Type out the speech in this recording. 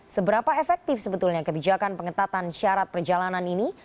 seberapa efektif sebetulnya kebijakan pengetatan syarat perjalanan ini